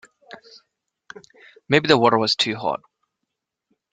Maybe the water was too hot.